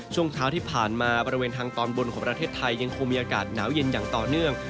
ช่วงเช้าที่ผ่านมาบริเวณทางตอนบนของประเทศไทยยังคงมีอากาศหนาวเย็นอย่างต่อเนื่อง